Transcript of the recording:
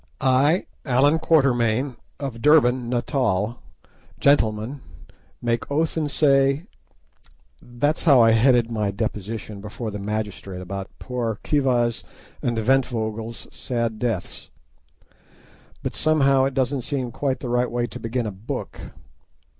I, Allan Quatermain, of Durban, Natal, Gentleman, make oath and say—That's how I headed my deposition before the magistrate about poor Khiva's and Ventvögel's sad deaths; but somehow it doesn't seem quite the right way to begin a book.